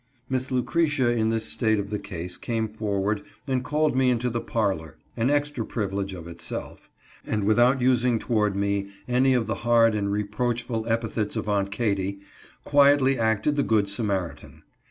" Miss Lucretia in this state of the case came forward, and called me into the parlor (an extra privilege of itself), and without using toward me any of the hard and reproachful epithets of Aunt Katy, quietly acted the good Samaritan.